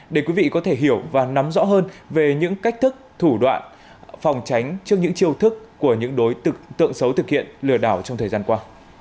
để quý vị có thể hiểu và nắm rõ hơn về những cách thức thủ đoạn phòng tránh trước những chiêu thức của những đối tượng tượng xấu thực hiện lừa đảo trong thời gian qua